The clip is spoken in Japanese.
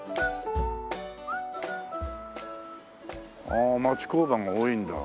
ああ町工場が多いんだ。